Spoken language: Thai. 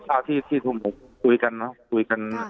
้าทุ่มคุยกันนะคุยกัน